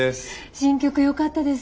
新曲よかったです。